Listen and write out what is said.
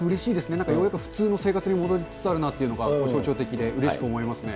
なんかようやく普通の生活に戻りつつあるなっていうのが、象徴的でうれしく思いますね。